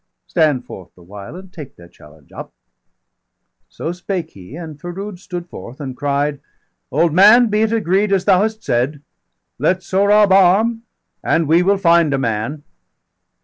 Stand forth the while, and take their challenge up." So spake he; and Ferood stood forth and cried: "Old man, be it agreed as thou hast said! 185 Let Sohrab arm, and we will find a man."